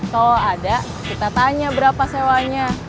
kalau ada kita tanya berapa sewanya